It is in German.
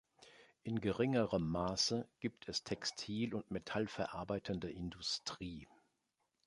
In geringerem Maße gibt es Textil- und metallverarbeitende Industrie.